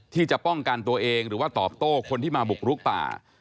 ที่จะป้องกันตัวเองหรือว่าตอบโต้คนที่มาบุกรุกป่า